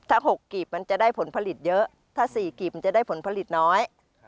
ถ้า๖กรีบมันจะได้ผลผลิตเยอะถ้า๔กรีบมันจะได้ผลผลิตน้อย